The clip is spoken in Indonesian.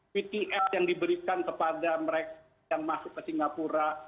vtl yang diberikan kepada mereka yang masuk ke singapura